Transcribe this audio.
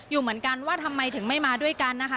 อยู่เหมือนกันว่าทำไมถึงไม่มาด้วยกันนะคะ